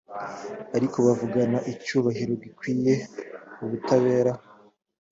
ariko bavugana icyubahiro gikwiye ubutabera